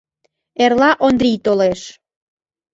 Эрла Ондрий толеш.